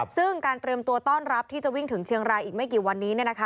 ซึ่งการเตรียมตัวต้อนรับที่จะวิ่งถึงเชียงรายอีกไม่กี่วันนี้